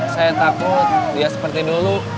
saya takut dia seperti dulu